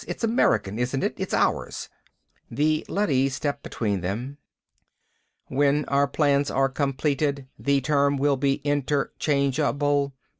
"It's American, isn't it? It's ours!" The leady stepped between them. "When our plans are completed, the term will be interchangeable.